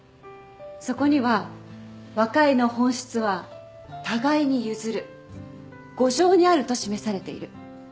そこには和解の本質は互いに譲る互譲にあると示されている。